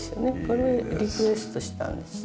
これリクエストしたんです。